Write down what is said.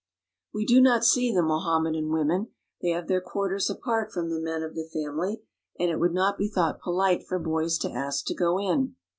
We do not see the Mohammedan women. They have their quarters apart from the men of the family, and it would not be thought polite for boys to ask to go in.